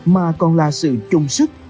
mà còn là sự chung sức